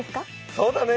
そうだね。